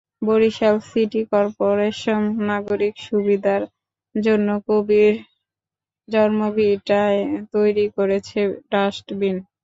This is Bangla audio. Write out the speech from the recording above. বরিশাল সিটি করপোরেশন নাগরিক সুবিধার জন্য কবির জন্মভিটায় তৈরি করেছে ডাস্টবিন।